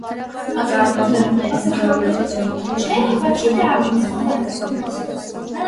Ծրագրավորողի կամ ռեալիզացիայի մոդելը ամենահեշտն է նկարագրման տեսանկյունից։